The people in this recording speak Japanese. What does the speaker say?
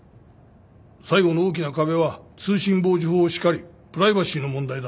最後の大きな壁は通信傍受法しかりプライバシーの問題だろう。